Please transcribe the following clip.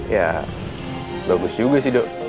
ya bagus juga sih dok